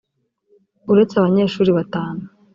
uretse abanyeshuri batanu